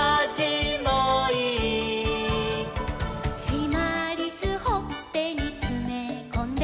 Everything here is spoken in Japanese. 「しまりすほっぺにつめこんで」